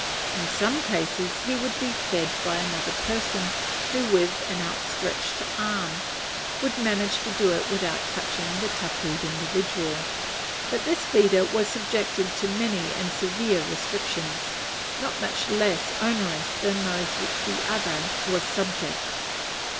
In some cases he would be fed by another person, who, with out stretched arm, would manage to do it without touching the tapu'd individual; but this feeder was subjected to many and severe restrictions, not much less onerous than those to which the other was subject.